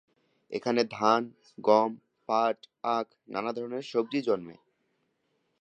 এখানে ধান, গম, পাট, আখ, নানা ধরনের সবজি জন্মে।